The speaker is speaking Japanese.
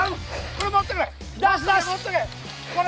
これ持ってくれ！